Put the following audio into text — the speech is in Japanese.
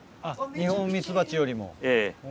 ニホンミツバチよりも。